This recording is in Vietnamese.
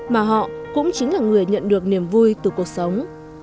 mà họ cũng chính là người nhận được niềm vui từ cuộc sống